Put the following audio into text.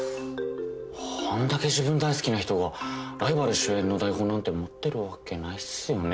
あんだけ自分大好きな人がライバル主演の台本なんて持ってるわけないっすよね。